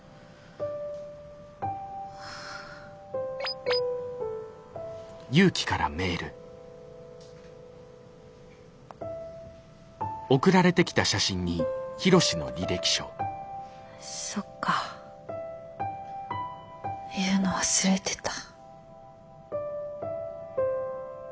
あそっか言うの忘れてた。